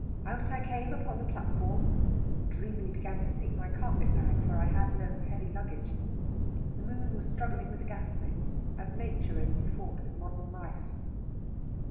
Out I came upon the platform, and dreamily began to seek my carpet bag, for I had no heavy luggage. The moon was struggling with the gas lights, as nature in me fought with modern life.